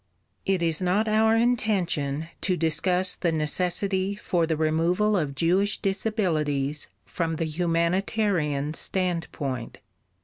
It is not our intention to discuss the necessity for the removal of Jewish disabilities from the humanitarian standpoint.